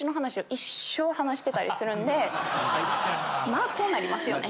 まあこうなりますよね。